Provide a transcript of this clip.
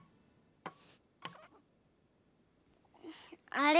あれ？